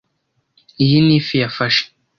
Iyi ni ifi yafashe.